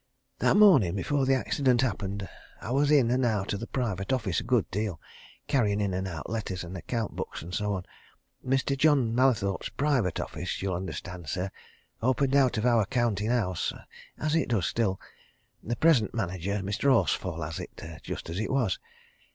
That morning, before the accident happened, I was in and out of the private office a good deal carrying in and out letters, and account books, and so on. Mr. John Mallathorpe's private office, ye'll understand, sir, opened out of our counting house as it does still the present manager, Mr. Horsfall, has it, just as it was.